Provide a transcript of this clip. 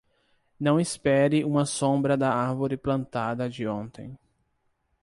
Não espere uma sombra da árvore plantada de ontem.